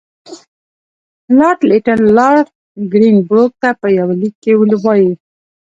لارډ لیټن لارډ ګرین بروک ته په یوه لیک کې وایي.